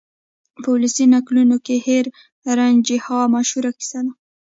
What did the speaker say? په ولسي نکلونو کې هیر رانجھا مشهوره کیسه ده.